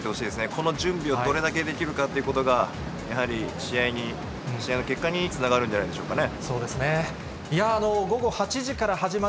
この準備をどれだけできるかっていうことが、やはり試合の結果につながるんじゃないでしょうかね。